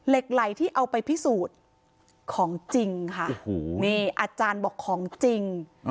เหล็กไหลที่เอาไปพิสูจน์ของจริงค่ะโอ้โหนี่อาจารย์บอกของจริง